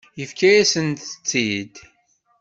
Yefka-yasent-t-id.